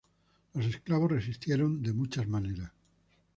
Los esclavos resistieron de muchas maneras.